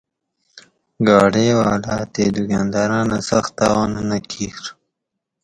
گاڑے والا تے دکاندارانہ سخت تاوانونہ کیر